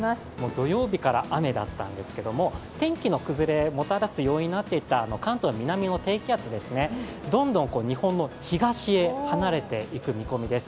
土曜日から雨だったんですけども天気の崩れをもたらす要因となっていた関東の南の低気圧ですね、どんどん日本の東に離れていく見込みです。